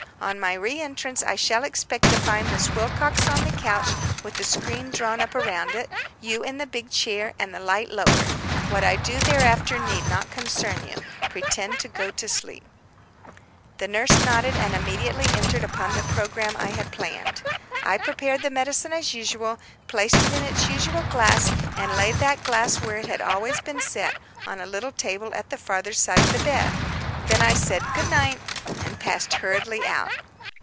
On my re entrance I shall expect to find Miss Wilcox on the couch with the screen drawn up around it, you in your big chair, and the light lowered. What I do thereafter need not concern you. Pretend to go to sleep." The nurse nodded, and immediately entered upon the programme I had planned. I prepared the medicine as usual, placed it in its usual glass, and laid that glass where it had always been set, on a small table at the farther side of the bed. Then I said "Good night," and passed hurriedly out.